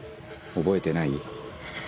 覚えてない？